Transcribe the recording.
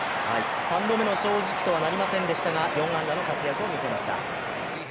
３度目の正直とはなりませんでしたが４安打の活躍を見せました。